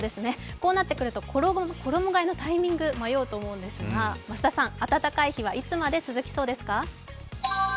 こうなってくると衣がえのタイミング迷うと思うんですが増田さん、暖かい日はいつまで続きそうですか？